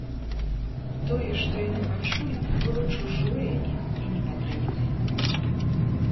Тое, што яны пачулі, было чужое ім і непатрэбнае.